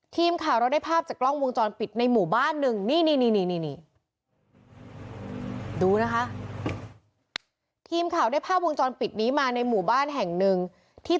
ทีมข่าวเราได้ภาพจากกล้องวงจรปิดในหมู่บ้านหนึ่งนี่ดูนะคะ